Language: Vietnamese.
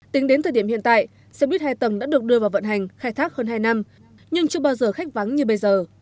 tính đến thời điểm hiện tại xe buýt hai tầng đã được đưa vào vận hành khai thác hơn hai năm nhưng chưa bao giờ khách vắng như bây giờ